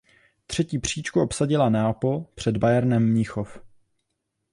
Třetí příčku obsadila Neapol před Bayernem Mnichov.